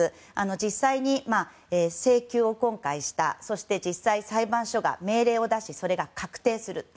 実際に今回、請求をしたそして実際、裁判所が命令を出しそれが確定する。